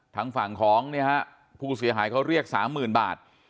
ทั้งฝั่งของเนี่ยฮะผู้เสียหายเขาเรียกสามหมื่นบาท